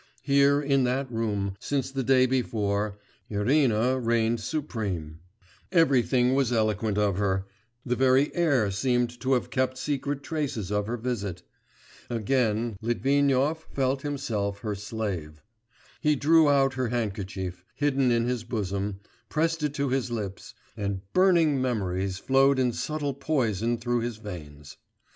Here, in that room, since the day before, Irina reigned supreme; everything was eloquent of her, the very air seemed to have kept secret traces of her visit.... Again Litvinov felt himself her slave. He drew out her handkerchief, hidden in his bosom, pressed it to his lips, and burning memories flowed in subtle poison through his veins.